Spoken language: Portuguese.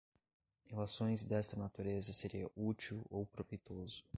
relações desta natureza seria útil ou proveitoso